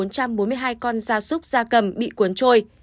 bốn trăm bốn mươi hai con da súc da cầm bị cuốn trôi